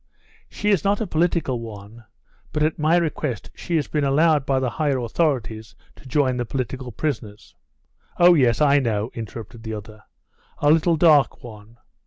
"She is not a political one, but at my request she has been allowed by the higher authorities to join the political prisoners " "Oh, yes, I know," interrupted the other; "a little dark one?